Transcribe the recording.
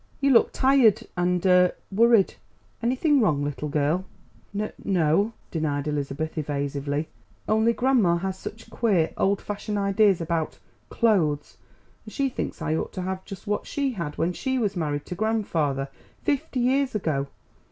"You look tired and er worried. Anything wrong, little girl?" "N no," denied Elizabeth evasively. "Only grandma has such queer, old fashioned ideas about clothes. And she thinks I ought to have just what she had when she was married to grandfather fifty years ago.